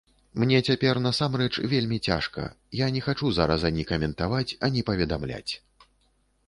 Мне цяпер насамрэч вельмі цяжка, я не хачу зараз ані каментаваць, ані паведамляць.